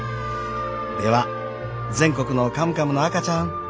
では全国のカムカムの赤ちゃん